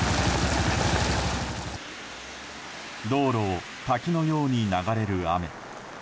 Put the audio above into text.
道路を滝のように流れる雨。